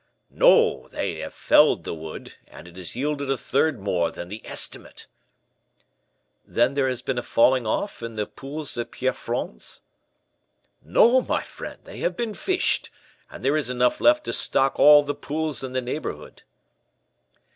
"No: they have felled the wood, and it has yielded a third more than the estimate." "Then there has been a falling off in the pools of Pierrefonds?" "No, my friend: they have been fished, and there is enough left to stock all the pools in the neighborhood."